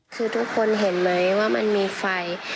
คือทุกคนเห็นไหมว่ามันมีไฟ